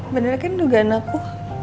bener kan dugaan aku